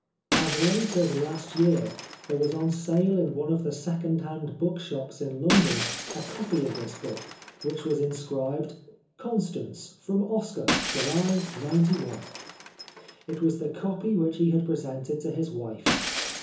As late as last year there was on sale in one of the second hand book shops in London a copy of this book, which was inscribed :—" Constance from Oscar, July, '91." It was the copy which he had presented to his wife.